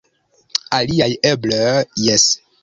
Aliaj eble jes.